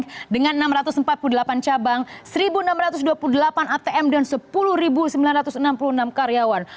kemudian dia berbisnis dengan nama mybank seribu enam ratus dua puluh delapan atm dan sepuluh sembilan ratus enam puluh enam karyawan